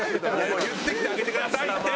言ってきてあげてくださいって！